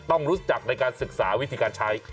ต้องรู้จักในการศึกษาวิธีการใช้